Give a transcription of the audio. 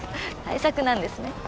大作なんですね。